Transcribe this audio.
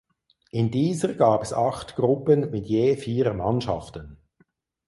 In dieser gab es acht Gruppen mit je vier Mannschaften.